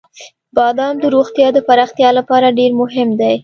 • بادام د روغتیا د پراختیا لپاره ډېر مهم دی.